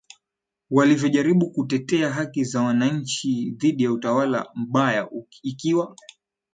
walivyojaribu kutetea haki za wananchi dhidi ya utawala mbaya Ikiwa